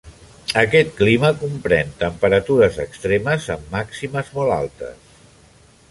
Aquest clima comprèn temperatures extremes amb màximes molt altes.